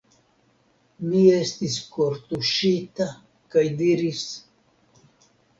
Mi estis kortuŝita kaj diris: